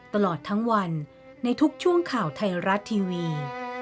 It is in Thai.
ตลอดทั้งวันในทุกช่วงข่าวไทยรัฐทีวี